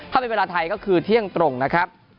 ถ้าเป็นเวลาไทยก็คือเที่ยงตรงนะครับ